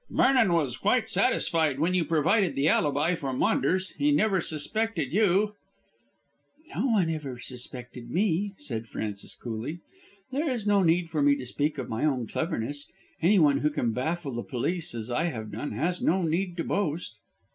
"Vernon was quite satisfied when you provided the alibi for Maunders. He never suspected you." "No one ever suspected me," said Frances coolly. "There is no need for me to speak of my own cleverness. Anyone who can baffle the police as I have done has no need to boast."